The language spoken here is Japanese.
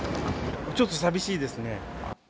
ちょっと寂しいですね。